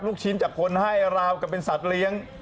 ลาวกะเป็นซัสเลี้ยง